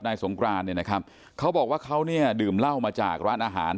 สงกรานเนี่ยนะครับเขาบอกว่าเขาเนี่ยดื่มเหล้ามาจากร้านอาหาร